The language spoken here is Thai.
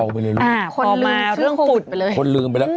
คนลืมเครื่องโควิดไปเลย